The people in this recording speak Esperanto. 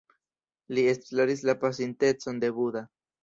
Li esploris la pasintecon de Buda.